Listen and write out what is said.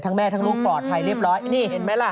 แม่ทั้งลูกปลอดภัยเรียบร้อยนี่เห็นไหมล่ะ